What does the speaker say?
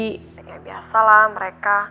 kayak biasa lah mereka